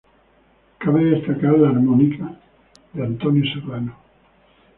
Cabe destacar la armónica de Antonio Serrano.